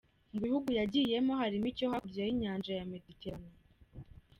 Mu bihugu yagiyemo harimo icyo hakurya y’ inyanjya ya Mediterane.